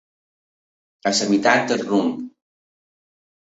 A la meitat del rumb.